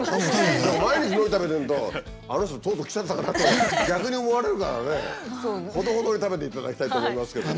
毎日のり食べてるとあの人とうとうきちゃったかなと逆に思われるからねほどほどに食べていただきたいと思いますけどもね。